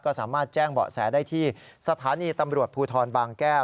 ก็สามารถแจ้งเบาะแสได้ที่สถานีตำรวจภูทรบางแก้ว